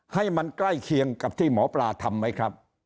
ให้มันใกล้เคียงกับที่หมอปลาทำไหมครับ